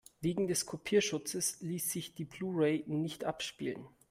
Wegen des Kopierschutzes ließ sich die Blu-ray nicht abspielen.